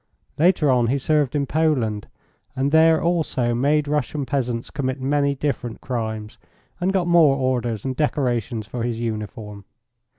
Later on he served in Poland, and there also made Russian peasants commit many different crimes, and got more orders and decorations for his uniform.